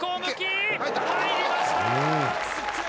入りました！